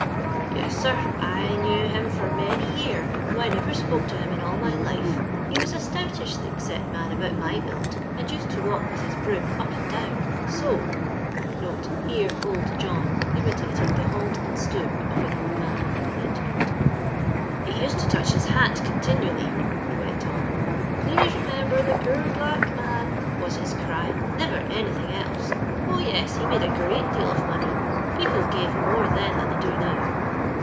Yes, sir, I knew him for many year, though I never spoke to him in all my lUe. He was a stoatish, thickset man, about my build, and used 10 walk with his broom up and down — 80." Here '* Old John" imitated the halt and stoop of an old man. He used to touch his hat continually," he went on. *'' Please remember the poor black man,' was his cry, never anything else. Oh yes, he made a gr^ deal of money. People gave more then than they do now.